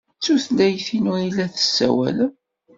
D tutlayt-inu ay la tessawalem.